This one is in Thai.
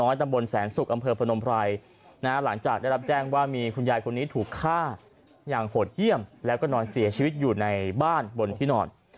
อย่างโฝดเยี่ยมแล้วก็นอนเสียชีวิตอยู่ในบ้านบนที่นอน